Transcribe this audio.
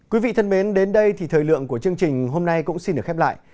quý vị thân mến đến đây thì thời lượng của chương trình hôm nay cũng xin được khép lại